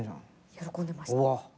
喜んでました。